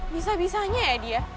bisa bisanya ya dia